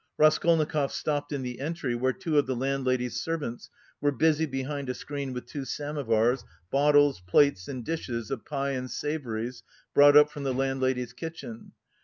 Raskolnikov stopped in the entry, where two of the landlady's servants were busy behind a screen with two samovars, bottles, plates and dishes of pie and savouries, brought up from the landlady's kitchen.